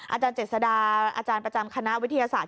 อาจารย์เจษดาอาจารย์ประจำคณะวิทยาศาสต